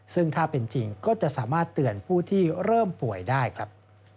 ซึ่งถ้าเป็นจริงก็จะสามารถเตือนผู้ที่เริ่มป่วยได้ครับ